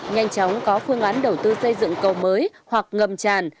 nhanh chóng có phương án đầu tư xây dựng cầu mới hoặc ngầm tràn